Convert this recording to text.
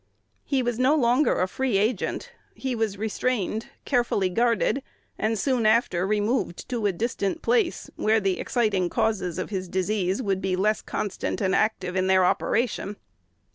He was no longer a free agent: he was restrained, carefully guarded, and soon after removed to a distant place, where the exciting causes of his disease would be less constant and active in their operation.